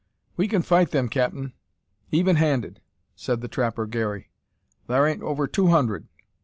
"We can fight them, capt'n, even handed," said the trapper Garey. "Thar ain't over two hundred."